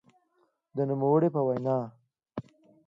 د نوموړي په وینا؛